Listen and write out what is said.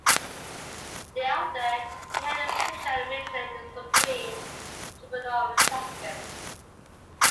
Thereafter, he held a position of Minister of the Supreme Tribunal of Justice.